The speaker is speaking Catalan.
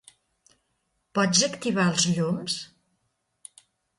Pots activar els llums?